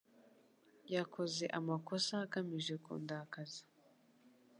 Yakoze amakosa agamije kundakaza.